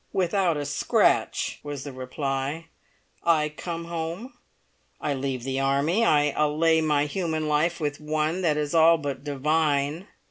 "Without a scratch," was the reply. "I come home. I leave the army. I ally my human life with one that is all but divine.